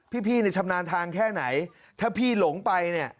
พี่เนี่ยชำนาญทางแค่ไหนถ้าพี่หลงไปเนี่ย